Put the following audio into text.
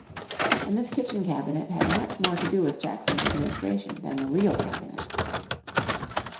And this Kitchen Cabinet had much more to do with Jackson's administration than the real Cabinet.